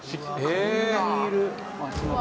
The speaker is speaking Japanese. こんなにいる。